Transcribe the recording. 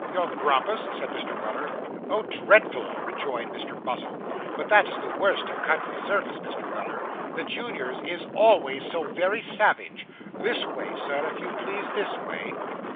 'Young grampus!' said Mr. Weller. 'Oh, dreadful,' rejoined Mr. Muzzle; 'but that is the worst of country service, Mr. Weller; the juniors is always so very savage. This way, sir, if you please, this way.